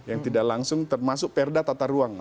yang tidak langsung termasuk perda tata ruang